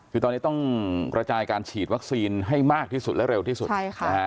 คือตอนนี้ต้องกระจายการฉีดวัคซีนให้มากที่สุดและเร็วที่สุดใช่ค่ะนะฮะ